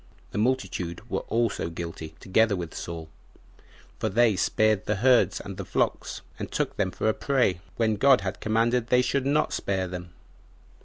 The multitude were also guilty, together with Saul; for they spared the herds and the flocks, and took them for a prey, when God had commanded they should not spare them.